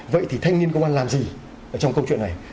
vậy thì thanh niên công an làm gì trong câu chuyện này